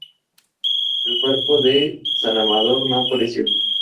El cuerpo de San Amador no apareció.